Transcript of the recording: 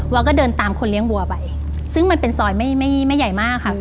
ก็เดินตามคนเลี้ยงวัวไปซึ่งมันเป็นซอยไม่ไม่ใหญ่มากค่ะ